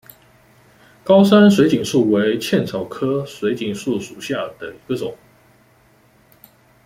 高山水锦树为茜草科水锦树属下的一个种。